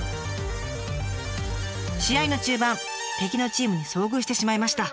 試合の中盤敵のチームに遭遇してしまいました。